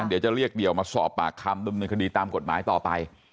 เดี๋ยวจะเรียกเดี่ยวมาสอบปากคำดำเนินคดีตามกฎหมายต่อไป